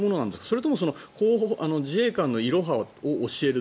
それとも自衛官のいろはを教える。